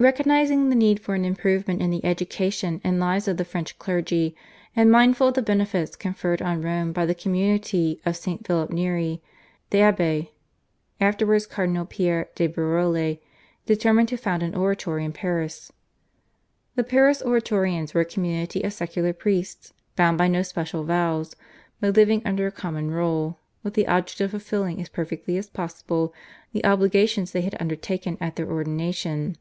Recognising the need for an improvement in the education and lives of the French clergy and mindful of the benefits conferred on Rome by the community of St. Philip Neri, the Abbe, afterwards Cardinal, Pierre de Berulle determined to found an Oratory in Paris. The Paris Oratorians were a community of secular priests bound by no special vows, but living under a common rule with the object of fulfilling as perfectly as possible the obligations they had undertaken at their ordination.